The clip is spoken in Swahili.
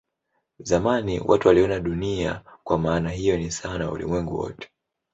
Zamani watu waliona Dunia kwa maana hiyo ni sawa na ulimwengu wote.